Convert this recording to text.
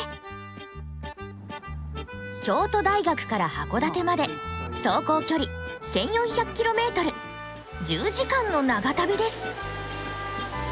京都大学から函館まで走行距離１，４００ｋｍ１０時間の長旅です。